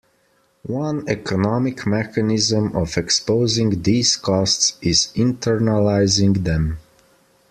One economic mechanism of exposing these costs is internalizing them.